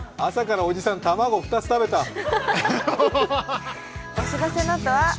朝からおじさん、卵２つ食べた。